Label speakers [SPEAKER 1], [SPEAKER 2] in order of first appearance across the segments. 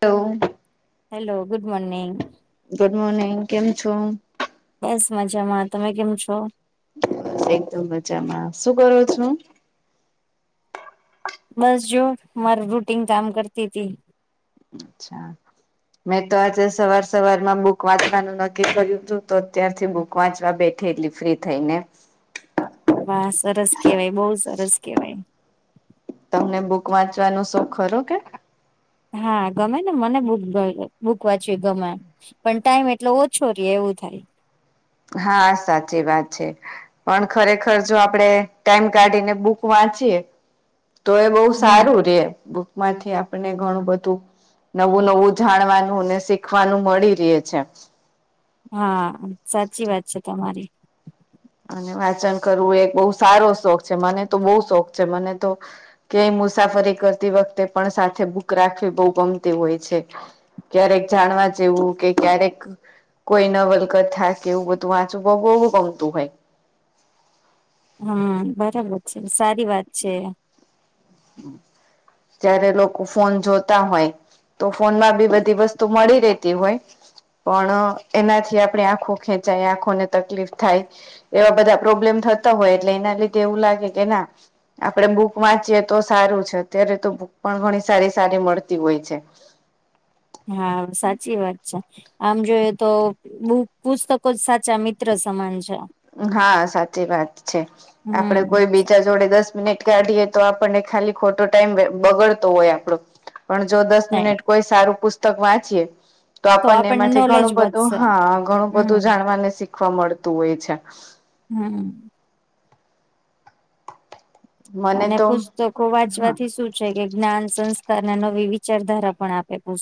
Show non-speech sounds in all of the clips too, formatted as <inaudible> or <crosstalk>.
[SPEAKER 1] Hello.
[SPEAKER 2] Hello good morning.
[SPEAKER 1] Good morning કેમ છો?
[SPEAKER 2] બસ મજામાં તમે કેમ છો.
[SPEAKER 1] એકદમ મજામાં શું કરો છો?
[SPEAKER 2] બસ જો માર રૂટીન કામ કરતી તી.
[SPEAKER 1] અચ્છા. મેં તો આજે સવાર સવાર માં બુક વાંચવાનું નક્કી કર્યું હતું તો અત્યારથી બુક. વાંચવા બેઠીલી ફ્રી થઈ ને.
[SPEAKER 2] વાહ સરસ કેવાય બહુ સરસ કેવાય.
[SPEAKER 1] તમને બુક વાંચવાનું શોખ ખરો કે.
[SPEAKER 2] હા ગમે ને મને બુ બૂક વાંચી ગમે. પણ ટાઈમ એટલે ઓછો રે એવું થાય.
[SPEAKER 1] હા સાચી વાત છે. પણ ખરેખર જો આપડે ટાઈમ કાઢીને બુક વાંચીયએ. તો એ બહુ
[SPEAKER 2] હમ
[SPEAKER 1] સારું રે બુકમાંથી આપને ઘણું બધું નવું નવું જાણવાનું ને શીખવાનું મળી રહે છે.
[SPEAKER 2] હા સાચી વાત છે તમારી.
[SPEAKER 1] અને વાચન કરવું એક બહુ સારો શોખ છે મને તો બહુ શોખ છે મને તો. કે મુસાફરી કરતી વખતે પણ સાથે બુક રાખવી બહુ ગમતી હોય છે. ક્યારેક જાણવા જેવું કે ક્યારેક કોઈ ન વલકત થા કે એવું બધું વાંચું બહુ બવું ગમતું હોય.
[SPEAKER 2] હા બરાબર છે સારી વાત છે.
[SPEAKER 1] જ્યારે લોકો ફોન જોતા હોય. તો ફોન માં બી બધી વસ્તુ મળી રહેેતી હોય. પણ એનાથી આપણે આંખો ખેંચાય આંખોને તકલીફ થાય. એવા બધા પ્રોબ્લેમ થતા હોય એટલે એના લીધે એવું લાગે કે ના આપડે બુક વાંચીએ તો સારું છે અત્યારે તો બુક પણ ઘણી સારી સારી મળતી હોય છે.
[SPEAKER 2] હા સાચી વાત છે. આમ જોયએ તો બુ પુસ્તકો જ સાચા મિત્ર સમાન છે.
[SPEAKER 1] હા સાચી વાત છે આપડે
[SPEAKER 2] હમ
[SPEAKER 1] કોઈ બીજા. જોડે દસ મિનિટ કાઢીએ તો આપણને ખાલી ખોટો ટાઈમ બગડતો હોય આપણો પણ જો દસ મિનિટ કોઈ સારું પુસ્તક વાંચીએ તો આપણને એમાંથી ઘણું બધું હા ઘણું બધું
[SPEAKER 2] હમ
[SPEAKER 1] જાણવાને શીખવા મળતું હોય છે. હ <unintelligible>
[SPEAKER 2] હા હા.
[SPEAKER 1] મને
[SPEAKER 2] અને
[SPEAKER 1] તો
[SPEAKER 2] પુસ્તકો
[SPEAKER 1] હા
[SPEAKER 2] વાંચવાથી શું. કે જ્ઞાન સંસ્કાર નવી વિચારધારા પણ આપે પૂ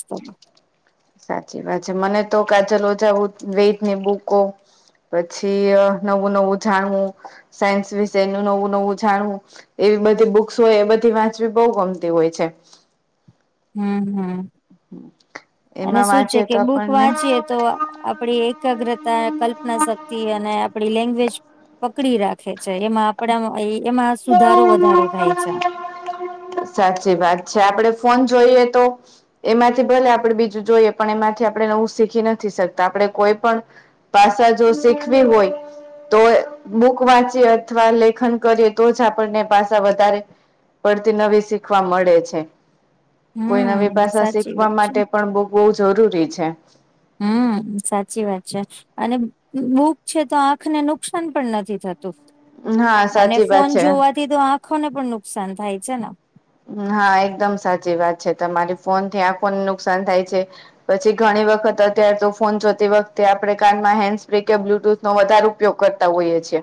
[SPEAKER 1] સાચી વાત છે મને તો કાચલ ઓછા વેતની બુકો પછી નવું નવું જાણવું સાયન્સ વિશેનું નવું નવું જાણવું એવી બધી બુક્સ હોય એ બધી વાંચવી બહુ ગમતી હોય છે.
[SPEAKER 2] હમ હમ અને
[SPEAKER 1] એમાં
[SPEAKER 2] શું છે
[SPEAKER 1] વાંચીએ
[SPEAKER 2] કે
[SPEAKER 1] તો
[SPEAKER 2] બુક
[SPEAKER 1] આપણને
[SPEAKER 2] વાંચીએે તો. આપડી એકાગ્રતા કલ્પના શક્તિ અને આપડી લેંગ્વેજ પકડી રાખ. છે એમાં આપડા એમાં સુધારો વધારો થાય છે
[SPEAKER 1] સાચી વાત છે આપડે ફોન જોઈએ તો એમાંથી ભલે આપડણે બીજું જોઈએ પણ એમાંથી આપણે નવું શીખી નથી શકતા આપણે કોઈ પણ ભાષા જો શીખવી હોય તો બુક વાંચી અથવા લેખન કરીએ તો જ આપણને ભાષા વધારે પડતી નવી શીખવા મળે છે કોઈ નવી
[SPEAKER 2] હમ
[SPEAKER 1] ભાષા
[SPEAKER 2] સાચી
[SPEAKER 1] શીખવા
[SPEAKER 2] વાત છે
[SPEAKER 1] માટે પણ બુક બહુ જરૂરી છે
[SPEAKER 2] હમ સાચી વાત છે અને બુક છે તો આંખને નુકસાન પણ નથી થતું
[SPEAKER 1] હા
[SPEAKER 2] અને
[SPEAKER 1] સાચી વાત
[SPEAKER 2] ફોન
[SPEAKER 1] છે.
[SPEAKER 2] જોવાથી તો આંખોને પણ નુકસાન થાય છે ને
[SPEAKER 1] હા એકદમ સાચી વાત છે તમારી ફોન થી આખોને નુકસાન થાય છે પછી ઘણી વખત અત્યારે તો ફોન જોતી વખતે આપડણે કાનમાં હેન્ડ સ્પ્રે કે બ્લુટૂથ નો વધારે ઉપયોગ કરતા હોઈએ છે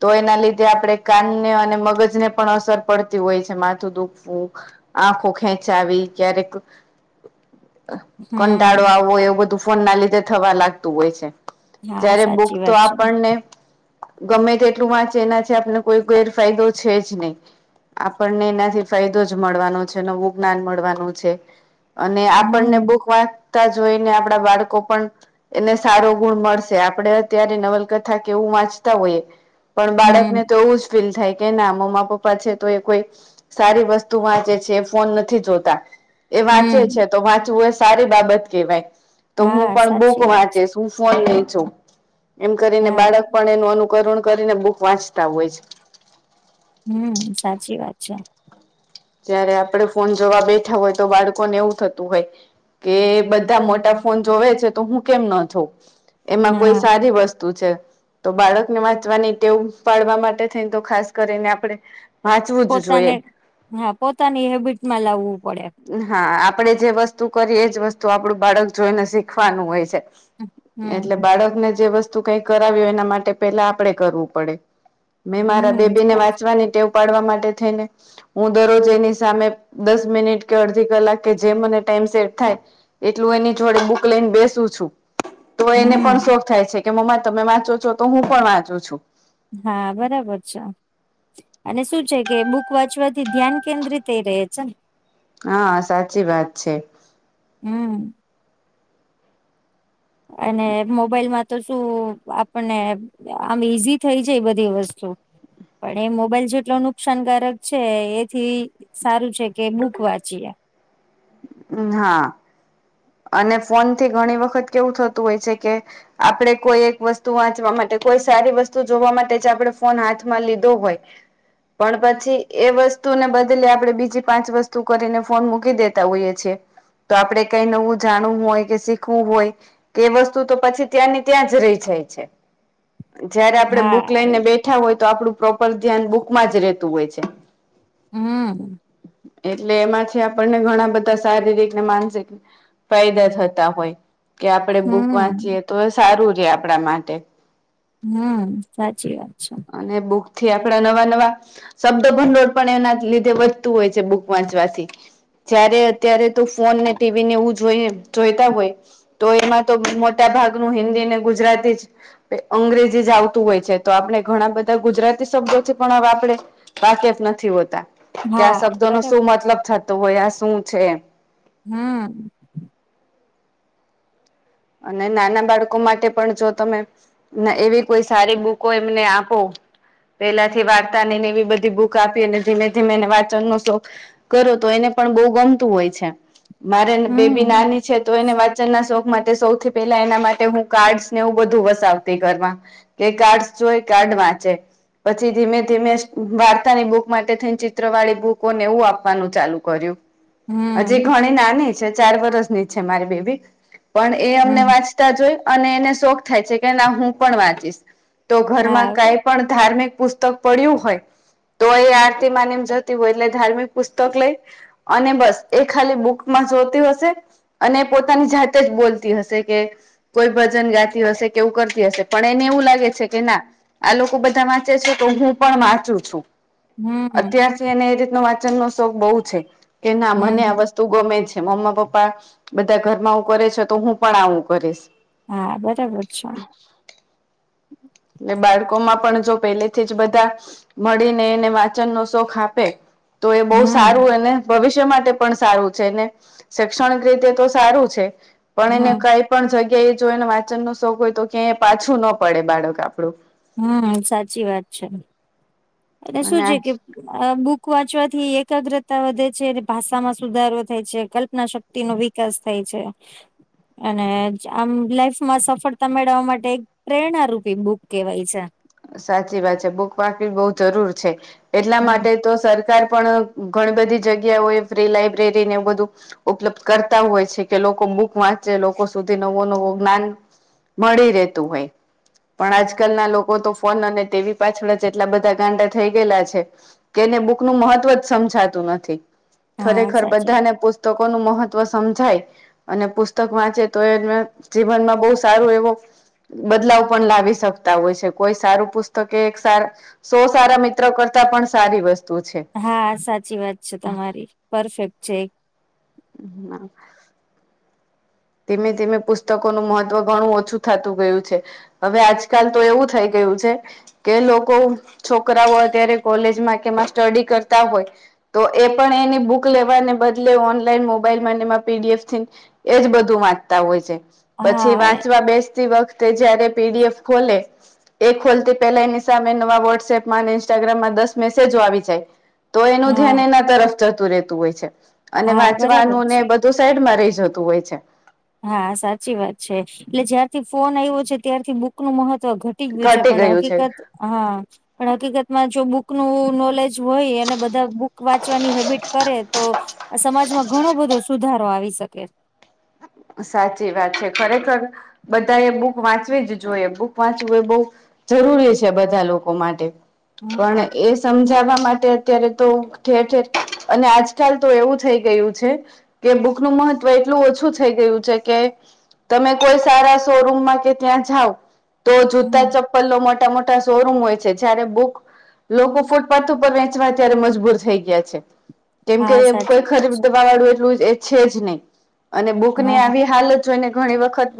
[SPEAKER 1] તો એના લીધે આપડે કાનને અને મગજને પણ અસર પડતી હોય છે માથ માથું દુખવું આંખો ખેંચાવી ક્યારેક
[SPEAKER 2] હમ
[SPEAKER 1] કંટાળો આવવોય એવું બધું ફોન ના લીધે થવા લાગતું હોય છે
[SPEAKER 2] હા
[SPEAKER 1] જયારે બુક
[SPEAKER 2] સાચી
[SPEAKER 1] તો
[SPEAKER 2] વાત છે
[SPEAKER 1] આપણને ગમે તેટલું વાંચે એના છે આપને કોઈ ગેરફાયદો છે જ નહીં આપણને એના થી ફાયદો જ મળવાનો છે નવું જ્ઞાન મળવાનું છે અને આપણને
[SPEAKER 2] હમ
[SPEAKER 1] બક તા જોઈને આપણા બાળકો પણ એને સારો ગુણ મળશે આપડે અત્યારે નવલકથા કેવું વાંચતા હોઈ પણ બાળકને
[SPEAKER 2] હમ
[SPEAKER 1] તો એવું જ ફીલ થાય કે ના મમ્મા પપ્પા છે તો એ કોઈ સારી વસ્તુ વાંચે છે એ ફોન નથી જોતા એ વાંચે છે
[SPEAKER 2] હમ
[SPEAKER 1] તો વાંચવું એ સારી બાબત કહેવાય તો હું
[SPEAKER 2] હા
[SPEAKER 1] પણ બુક
[SPEAKER 2] સાચી વાત છે
[SPEAKER 1] વાંચીશ તું ફોન નઈ છો એમ કરીને
[SPEAKER 2] હા
[SPEAKER 1] બાળક પણ એનું અનુકરણ કરીને બુક વાંચતા હોય છે
[SPEAKER 2] હમ સાચી વાત છે
[SPEAKER 1] જયારે આપડ ફોન જોવા બેઠા હોય તો બાળકોને એવું થતું હોય કે બધા મોટા ફોન જોવે છે તો હું કેમ ના જો ઊં એમાં કોઈ
[SPEAKER 2] હા
[SPEAKER 1] સારી વસ્તુ છે તો બાળકને વાંચવાની ટેવું પાડવા માટે થઈ તો ખાસ કરીને આપણેે
[SPEAKER 2] પોતાને હા પોતાની હેબિટમાં લાવવું પડે
[SPEAKER 1] હા આપડે જે વસ્તુ કરીએ એજ વસ્તુ આપડું બાળક જોઈને શીખવાનું હોય છે એટલે
[SPEAKER 2] હમ
[SPEAKER 1] બાળકને જે વસ્તુ કઈ કરાવી હોય એના માટે પેલા આપડે કરવું પડે મેં મારા
[SPEAKER 2] હમ
[SPEAKER 1] બેબી ને
[SPEAKER 2] સાચી
[SPEAKER 1] વાંચવાની ટેવ ઉપડવા માટે થઈ ને હું દરરોજ એની સામે દસ મિનિટ કે અડધી કલાક કે જે મને ટાઈમ સેટ થાય એટલું એની જોડે બુક લઈને બેસું છું તો એને પણ
[SPEAKER 2] હમ
[SPEAKER 1] શોખ થાય છે કે મમ્મા તમે વાંચો છો તો હું પણ વાંચું છું
[SPEAKER 2] હા બરાબર છે અને શું છે કે બુક વાંચવાથી ધ્યાન કેન્દ્રિત થઈ રહે છે ને
[SPEAKER 1] હા સાચી વાત છે.
[SPEAKER 2] હમ અને મોબાઈલ માં તો શું આપણને આમ ઈઝી થઈ જાય એ બધી વસ્તુ પણ એ મોબાઈલ જેટલો નુકસાનકારક છે એથી સારું છે કે બુક વાંચીએ
[SPEAKER 1] હા અને ફોનથી ઘણી વખત કેવું થતું હોય છે કે આપણે કોઈ એક વસ્તુ વાંચવા માટે કોઈ સારી વસ્તુ જોવા માટે આપણે ફોન હાથમાં લીધો હોય પણ પછી એ વસ્તુને બદલે આપડે બીજી પાંચ વસ્તુ કરીને ફોન મૂકી દે હોઈએ છે તો આપડે કઈ નવું જાણવું હોય કે શીખવું હોય કે વસ્તુ તો પછી ત્યાંની ત્યાં જ રહી જાય છે જયારે આપડે
[SPEAKER 2] હા
[SPEAKER 1] બુક લઈને બેઠા હોય તો આપડું પ્રોપર ધ્યાન બુકમાં જ રેતું હોય છે.
[SPEAKER 2] હમ
[SPEAKER 1] એટલે એમાંથી આપણને ઘણા બધાં શારીરિક ને માનસિક ફાયદા થતા હોય કે આપણે બુક વાંચીએ
[SPEAKER 2] હમ
[SPEAKER 1] તોએ સારું રે આપણા માટે
[SPEAKER 2] હમ સાચી વાત છે.
[SPEAKER 1] અને બુકથી આપડા નવા નવા શબ્દભંડોળ પણ એના લીધે વધતું હોય છે બુક વાંચવાથી. ત્યારે અત્યારે તો ફોન ને ટીવી ને એવું જોઈએ જોઈતા હોય. તો એમાં તો મોટા ભાગનું હિન્દીને, ગુજરાતી જ અંગ્રેજી જ આવતું હોય છે તો આપને ઘણા બધા ગુજરાતી શબ્દોથી પણ હવે આપણે વાકેફ નથી હોતા. કે આ
[SPEAKER 2] હા
[SPEAKER 1] શબ્દોનો
[SPEAKER 2] બરાબર
[SPEAKER 1] શું મતલબ થતો હોય આ શું છે એમ
[SPEAKER 2] હમ
[SPEAKER 1] અને નાના બાળકો માટે પણ જો તમે ને એવી કોઈ સારી બુકો એમને આપો પેલાથી વાર્તાની ને એવી બધી બુક આપી અને ધીમે ધીમે એને વાંચન નો શોખ કરો તો એને પણ બહુ ગમતું હોય છે. મારે ને બેબી
[SPEAKER 2] હમ
[SPEAKER 1] નાની છે તો એને વાંચનના શોખ કે સૌથી પેલા એના માટે હું કાર્ડસને એવું બધું વસાવતી ઘરમાં એ કાર્ડસ જોય કાર્ડ વાંચે પછી ધીમે ધીમે વાર્તાની બુક માટે થઈને ચિત્ર વાળી બુકોને એવું આપવાનું ચાલુ કર્યું. હજી
[SPEAKER 2] હમ
[SPEAKER 1] ઘણી નાની છે ચાર વરસની છે મારી બેબી પણ એ અમને
[SPEAKER 2] હમ
[SPEAKER 1] વાંચતા જોય અને એને શોખ થાય છે કે ના હું પણ વાંચીશ. તો ઘરમાં
[SPEAKER 2] હા
[SPEAKER 1] કાઈ પણ ધાર્મિક પુસ્તક પડ્યું હોય. તો એ આરતીમાં ને એમ જતી હોય એટલે ધાર્મિક પુસ્તક લઈ અને બસ એ ખાલી બુકમાં જોતી હશે અને પોતાની જાત તે જ બોલતી હશે કે કોઈ ભજન ગાતી હશે કે એવું કરતી હશે પણ એને એવું લાગે છે કે ના આ લોકો બધા વાંચે છે તો હું પણ વાંચું છું.
[SPEAKER 2] હમ
[SPEAKER 1] અત્યારથી એને એ રીતનો વાંચનનો શોખ બહુ છે. કે ના મને આ
[SPEAKER 2] હમ
[SPEAKER 1] વસ્ત તું ગમે છે. મમ્મ પપ્પા બધા ઘરમાં આવું કરે છે તો હું પણ આવું કરીશ.
[SPEAKER 2] હા બરાબર છે.
[SPEAKER 1] એટલે બાળકોમાં પણ જો પેલેથી જ બધાં મળીને એને વાચનનો શોખ આપે તો એ બહુ સારું
[SPEAKER 2] હમ
[SPEAKER 1] એને ભવિષ્ય માટે પણ સારું છે ને શૈક્ષણિક રીતે તો સારું છે પણ એને
[SPEAKER 2] હમ
[SPEAKER 1] કાંઈ પણ જગ્યાએ જો એને વાંચનનો શોખ હોય તો ક્યાંય પાછું ન પડે બાળક આપણું.
[SPEAKER 2] હહ સાચી વાત છે. એટલે શું છે
[SPEAKER 1] અને
[SPEAKER 2] કે બુક વાંચવાથી એકાગ્રતા વધે છે ભાષામાં સુધારો થાય છે કલ્પના શક્તિ નો વિકાસ થાય છે. અને આમ લાઈફમાં સફળતા મેળવવા માટે પ્રેરણ રૂપી બુક કેવાય છે.
[SPEAKER 1] સાચી વાત છે બુક વાંચવી બહુ જરૂર છે. એટલા
[SPEAKER 2] હમ
[SPEAKER 1] માટે તો સર કાર પણ ઘણી બધી જગ્યાઓ એ ફ્રી લાયબ્રેરીને એવું બધું ઉપલબ્ધ કરતા હોય છે કે લોકો બૂક વાંચે લોકો સુધી નવો નવો જ્ઞાન મળી રેતુ હોય. પણ આજકાલના લોક કોતો ફોન અને ટીવી પાછળ જ એટલા બધા ગાંડા થઈ ગયેલા છે. કે એને બૂકનું મહત્વ જ સમજાતું નથી.
[SPEAKER 2] હા
[SPEAKER 1] ખરેખર
[SPEAKER 2] સાચી
[SPEAKER 1] બધાને પુસ તકોનું મહત્વ સમજાય. અને પુસ્તક વાંચે તો એ જ ને જીવનમાં બહુ સારો એવો બદલાવ પણ લાવી શકતા હોય છે. કોઈ સારું પુસ્તક એક સાર સો સારા મિત્ર કરતા પણ સારી વસ્તુ છે.
[SPEAKER 2] હા સાચી વાત છે તમારી. પરફેક્ટ છે એ
[SPEAKER 1] હમ ના ધીમે ધીમે પુસ્તકોનું મહત્વ ઘણું ઓછું થતું ગયું છે. હવે આજકાલ તો એવું થઈ ગયું છે. કે લોકો છોકરાઓ અત્યારે કોલેજમાં કેમાં સ્ટડી કરતા હોય. તો એ પણ એની બુક લેવાને બદલે ઓનલાઈન મોબાઈલ પીડીએફ થી એજ બધું. વાંચતા હોય છે પછી
[SPEAKER 2] હા
[SPEAKER 1] વાંચવા બેસતી વખતે જયારે પીડીએફ ખોલે. એ ખોલતી પેલા એની સામે નવા વોટ્સએપમાં અને ઇન્સ્ટાગ્રામમાં દસ મેસેજો આવી જાય. તો એનું ધ્યાન
[SPEAKER 2] હા
[SPEAKER 1] એના તરફ જતું રહેતું હોય છે અને
[SPEAKER 2] હા બરાબર
[SPEAKER 1] વાંચવાનું ને
[SPEAKER 2] છે
[SPEAKER 1] બધું. સાઈડમાં રહી જતું હોય છે.
[SPEAKER 2] હા સાચી વાત છે એટલે જ્યારથી ફોન આવ્યો છે ત્યારથી બુક નું મહત્વ ઘટ. તટી ગયું છે
[SPEAKER 1] ઘટી
[SPEAKER 2] પણ હકીકત
[SPEAKER 1] છે
[SPEAKER 2] હા. પણ હકીકતમાં જો બુક ન નોલેજ હોય અને બધા બુક વાંચવાની હેબિટ કરે તો. આ સમાજમાં ઘણો બધો સુધારો આવી શકે.
[SPEAKER 1] સાચી વાત છે ખરેખર બધાએ બુક વાંચવી જ જોઈએ બુક વાંચવું એ બહ. જરૂરી છે બધા લોકો માટે પણ
[SPEAKER 2] હમ
[SPEAKER 1] એ. સમજાવવા માટે અત્યારે તો ઠેર ઠેર અને આજકાલ તો એવું થઈ ગયું છે. કે બુક નું મહત્વ એટલું ઓછું છે. થઈ ગયું છે કે તમે કોઈ સારા શોરૂમમાં કે ત્યાં જાાવ. તો જૂતા
[SPEAKER 2] હમ
[SPEAKER 1] ચપ્પલ ન મોટા મોટા શોરૂમ હોય છે જયારે બુક. લોકો ફૂટપાથ ઉપર વેંચવા ત્યારે મજબૂર થઈ ગયા છે. કેમ કે
[SPEAKER 2] હા
[SPEAKER 1] કોઈ
[SPEAKER 2] સાચી વાત
[SPEAKER 1] ખરીબ દવા વાળું એટલું એ છે જ નહીં અને બુક ની
[SPEAKER 2] હા હા
[SPEAKER 1] આવી હાલત. જોઈને ઘણી વખત.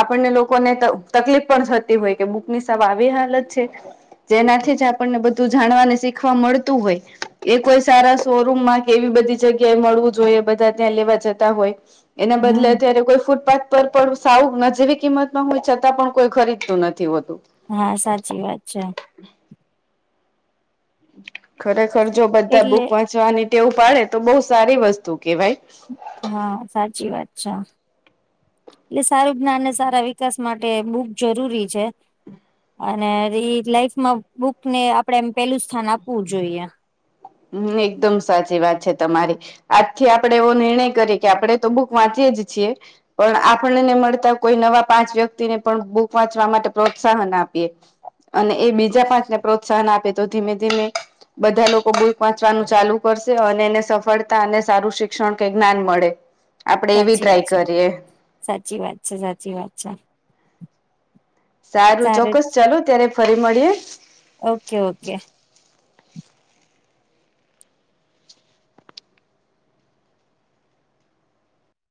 [SPEAKER 1] આપણને લોકોને તકલીફ પણ થતી હોય કે બુક ની સા આવી હાલત છે. જેનાથી જ આપણને બધું જાણવાને શીખવા મળતું હોય એ કોઈ સારા શોરૂમમાં. એવી બધી જગ્યાએ મળવું જોઈએ બધા ત્યાં લેવા જતા હોય એના બદલે
[SPEAKER 2] હમ
[SPEAKER 1] અત્યારે કોઈ ફૂટપાથ. પણ સાવ નજીવી કિંમત માં હોય છતાં પણ કોઈ ખરીદતું નથી હોતું.
[SPEAKER 2] હા સાચી વાત છે.
[SPEAKER 1] ખરેખર જો બધા
[SPEAKER 2] એટલે
[SPEAKER 1] બુક વાંચવાની ટેવું પાડે તો બહુ સારી વસ્તુ કેવાય.
[SPEAKER 2] હા સાચી વાત છે. એટલે સારું જ્ઞાનને સારા વિકાસ માટે બહુક જરૂરી છે. અને લાઈફમાં બુકને આપડે એમ પેલું સ્થાન આપવું જોઈએ.
[SPEAKER 1] હમ એકદમ સાચી વાત છે તમારી. આજથી આપણેે એવો નિર્ણય કરીએ કે આપણેે તો બુક વાંચીએે જ છીએ. પણ આપણને મળતા કોઈ નવા પાંચ વ્યક્તિને પણ બુક વાંચવા માટે પ્રોત્સાહન આપીએ. અને એ બીજા પાંચને પ્રોત્સાહન આપે તો ધીમે ધીમે બધા લોકો બ. પંચવાનું ચાલુ કરશે અને એને સફળતા અને સારું શિક્ષણ કે જ્ઞાન મળે. આપડે એવી
[SPEAKER 2] સાચી
[SPEAKER 1] ટ્રાય
[SPEAKER 2] વાત છે
[SPEAKER 1] કરીએ
[SPEAKER 2] સાચી વાત છે સાચી વાત છે.
[SPEAKER 1] સારું ચોક્કસ ચાલુ ત્યારે ફરી મળીએે.
[SPEAKER 2] Okay okay.